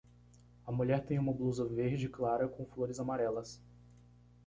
A mulher tem uma blusa verde clara com flores amarelas